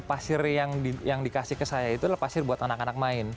pasir yang dikasih ke saya itu adalah pasir buat anak anak main